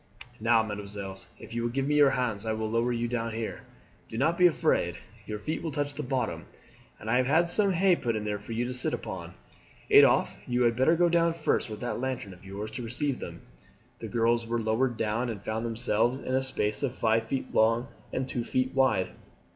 "Now, mesdemoiselles, if you will give me your hands I will lower you down here. Do not be afraid your feet will touch the bottom; and I have had some hay put there for you to sit upon. Adolphe, you had better go down first with that lantern of yours to receive them." The girls were lowered down and found themselves in a space of five feet long and two feet wide.